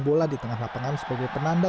bola di tengah lapangan sebagai penanda